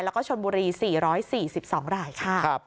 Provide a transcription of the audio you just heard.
แล้วก็ชนบุรี๔๔๒รายค่ะ